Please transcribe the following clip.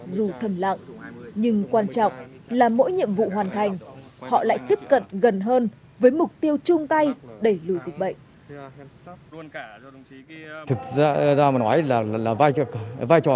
dù thầm lặng nhưng quan trọng là mỗi nhiệm vụ hoàn thành họ lại tiếp cận gần hơn với mục tiêu chung tay đẩy lùi dịch bệnh